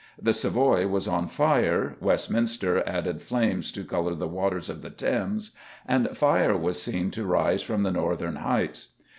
The Savoy was on fire, Westminster added flames to colour the waters of the Thames, and fire was seen to rise from the northern heights.